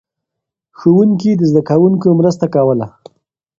ښوونکي د زده کوونکو مرسته کوله.